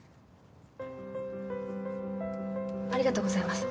ありがとうございます。